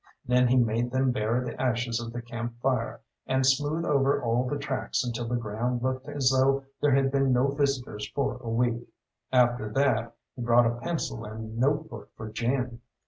Then he made them bury the ashes of the camp fire, and smooth over all the tracks until the ground looked as though there had been no visitors for a week. After that he brought a pencil and notebook for Jim.